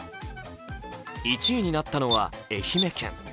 １位になったのは愛媛県。